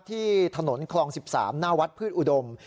ที่ถนนคลอง๑๓หน้าวัดพืชอุดม